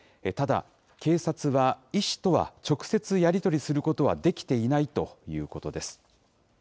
ただ、警察は、医師とは直接やり取りすることはできていないということです。